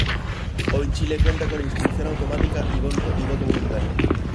Hoy Chile cuenta con inscripción automática y voto voluntario.